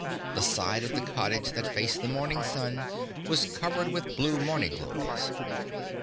The side of the cottage that faced the morning sun was covered with blue morning glories.